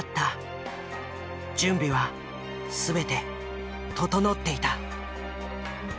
準備は全て整っていた。